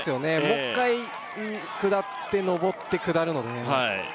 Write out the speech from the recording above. もう１回下って上って下るのでね